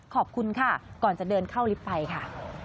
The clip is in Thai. ขอบคุณค่ะก่อนจะเดินเข้าลิฟต์ไปค่ะ